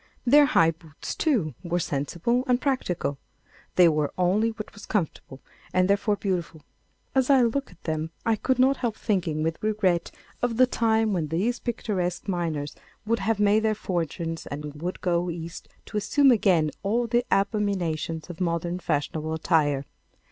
Their high boots, too, were sensible and practical. They wore only what was comfortable, and therefore beautiful. As I looked at them I could not help thinking with regret of the time when these picturesque miners would have made their fortunes and would go East to assume again all the abominations of modern fashionable attire.